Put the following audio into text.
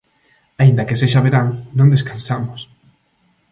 Aínda que sexa verán, non descansamos.